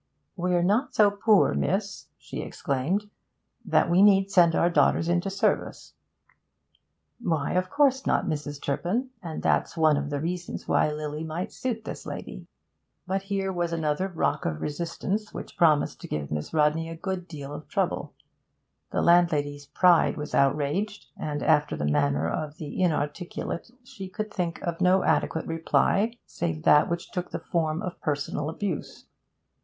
'We're not so poor, miss,' she exclaimed, 'that we need send our daughters into service,' 'Why, of course not, Mrs. Turpin, and that's one of the reasons why Lily might suit this lady.' But here was another rock of resistance which promised to give Miss Rodney a good deal of trouble. The landlady's pride was outraged, and after the manner of the inarticulate she could think of no adequate reply save that which took the form of personal abuse.